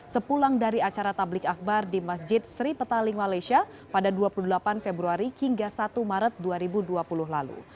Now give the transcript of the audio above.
sepulang dari acara tablik akbar di masjid sri petaling malaysia pada dua puluh delapan februari hingga satu maret dua ribu dua puluh lalu